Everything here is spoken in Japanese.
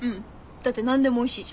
だって何でもおいしいじゃん。